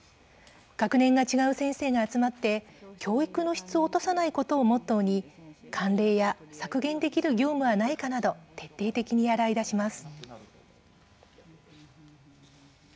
学年が違う先生が集まって教育の質を落とさないことをモットーに、慣例や削減できる業務はないかなど徹底的に洗い出します。